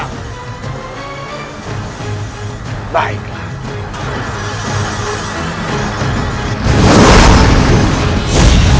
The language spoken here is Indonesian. adalah gadau besar ini